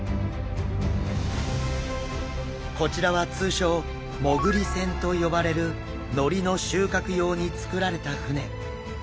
こちらは通称もぐり船と呼ばれるのりの収穫用に造られた船。